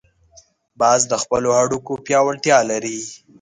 باز د خپلو هډوکو پیاوړتیا لري